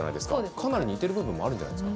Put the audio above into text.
かなり似てる部分もあるんじゃないんですか。